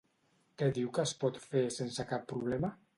Què diu que es pot fer sense cap problema?